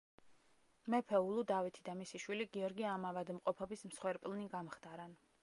მეფე ულუ დავითი და მისი შვილი გიორგი ამ ავადმყოფობის მსხვერპლნი გამხდარან.